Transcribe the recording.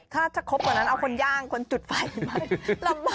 ถ้าจะครบเหมือนนั้นเอาคนย่างคนจุดไฟมัน